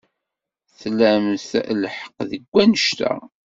Tlamt lḥeqq deg wanect-a.